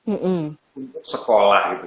untuk sekolah gitu